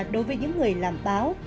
đối với những người làm báo